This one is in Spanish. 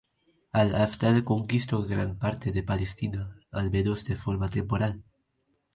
Al-Afdal conquistó gran parte de Palestina, al menos de forma temporal.